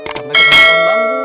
sampai ketemu pohon bangu